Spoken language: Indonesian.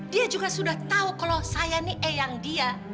dia juga sudah tahu kalau saya ini eyang dia